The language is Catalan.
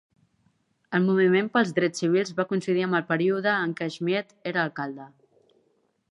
El moviment pels drets civils va coincidir amb el període en què Schmied era alcalde.